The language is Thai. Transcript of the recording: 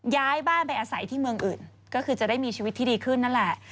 ย้ายบ้านไปอาศัยที่เมืองอื่นก็คือจะได้มีชีวิตที่ดีขึ้นนั่นแหละ